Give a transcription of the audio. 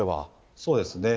そうですね。